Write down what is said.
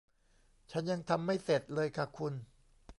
ฉันยังทำไม่เสร็จเลยค่ะคุณ